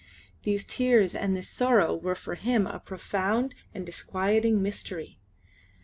These tears and this sorrow were for him a profound and disquieting mystery.